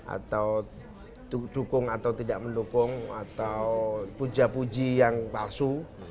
atau dukung atau tidak mendukung atau puja puji yang palsu